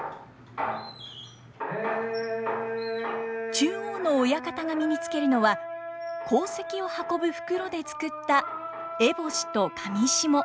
中央の親方が身に着けるのは鉱石を運ぶ袋で作った烏帽子と裃。